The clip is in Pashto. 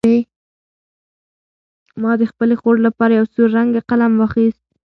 ما د خپلې خور لپاره یو سور رنګه قلم واخیست.